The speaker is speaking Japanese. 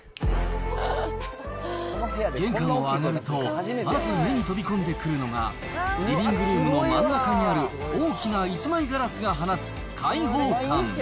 玄関を上がると、まず目に飛び込んでくるのが、リビングルームの真ん中にある大きな一枚ガラスが放つ開放感。